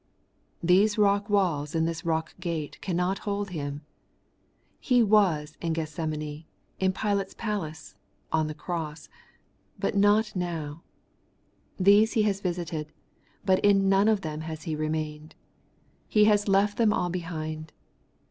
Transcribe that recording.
These rock walls and this rock gate cannot hold Him. He was in Gethsemane, in Pilate's palace, on the cross ; but not now. These He has visited, but in none of them has He remained. He has left them all behind.